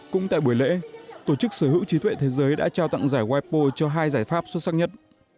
cũng tại buổi lễ tổ chức sở hữu trí tuệ thế giới đã trao tặng giải weipo cho hai giải pháp xuất sắc nhất